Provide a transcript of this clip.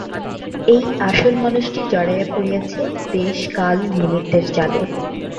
এই আসল মানুষটি জড়াইয়া পড়িয়াছে দেশ-কাল-নিমিত্তের জালে।